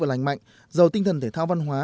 và lành mạnh do tinh thần thể thao văn hóa